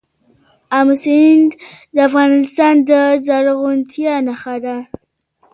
آمو سیند د افغانستان د زرغونتیا نښه ده.